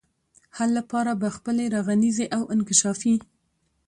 حل لپاره به خپلي رغنيزي او انکشافي